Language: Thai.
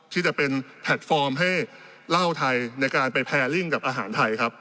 ที่จะเป็นแพลตฟอร์มให้เหล้าไทยในการไปแพรลิ่งกับอาหารไทยครับ